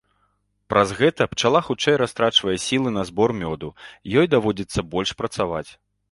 Праз гэта пчала хутчэй растрачвае сілы на збор мёду, ёй даводзіцца больш працаваць.